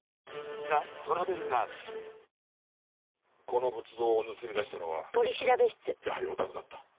この仏像を盗み出したのはやはりおたくだった。